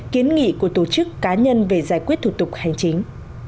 kiến nghị của tổ chức cá nhân về giải quyết thủ tục hành chính